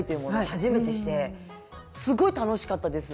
初めてしてすごい楽しかったです。